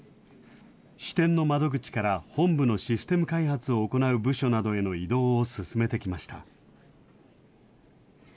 支店の窓口から本部のシステム開発を行う部署などへの異動を進めてきました。